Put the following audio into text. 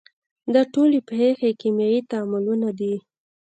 دا ټولې پیښې کیمیاوي تعاملونه دي.